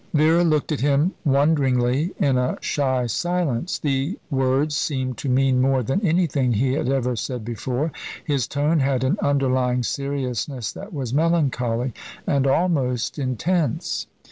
Vera looked at him wonderingly in a shy silence. The words seemed to mean more than anything he had ever said before. His tone had an underlying seriousness that was melancholy, and almost intense.